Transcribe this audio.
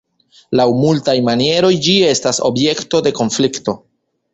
Laŭ multaj manieroj ĝi estas objekto de konflikto.